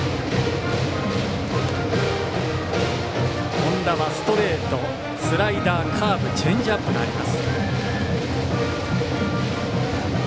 本田はストレートスライダー、カーブチェンジアップがあります。